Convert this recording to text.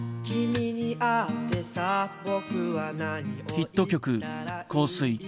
ヒット曲「香水」。